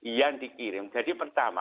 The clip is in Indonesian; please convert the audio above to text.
yang dikirim jadi pertama